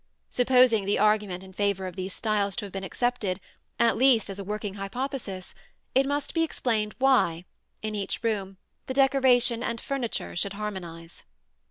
Supposing the argument in favor of these styles to have been accepted, at least as a working hypothesis, it must be explained why, in each room, the decoration and furniture should harmonize.